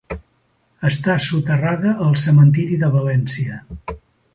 Està soterrada al cementeri de València.